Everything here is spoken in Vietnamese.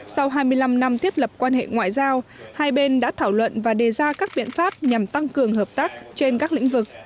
sau hai mươi năm năm thiết lập quan hệ ngoại giao hai bên đã thảo luận và đề ra các biện pháp nhằm tăng cường hợp tác trên các lĩnh vực